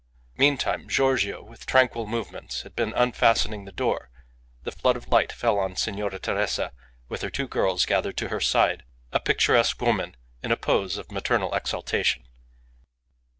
Meantime Giorgio, with tranquil movements, had been unfastening the door; the flood of light fell on Signora Teresa, with her two girls gathered to her side, a picturesque woman in a pose of maternal exaltation.